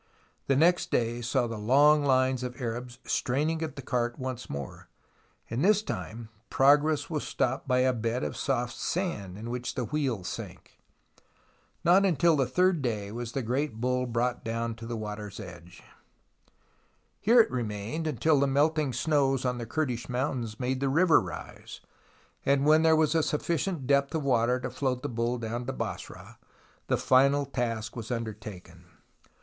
The next day saw the long lines of Arabs straining at the cart once more, and this time progress was stopped by a bed of soft sand in which the wheels sank. Not until the third day was the great bull brought down to the water's edge. Here it remained until the melting snows on the Kurdish mountains made the river rise, and when there was a sufficient depth of water to float the bull down to Basra, the final task was undertaken.